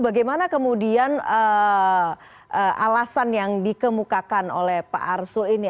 bagaimana kemudian alasan yang dikemukakan oleh pak arsul ini